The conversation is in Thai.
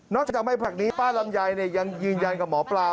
นอกจากไม่พรรคนี้ป้ารัมยายยังยืนยันกับหมอปลา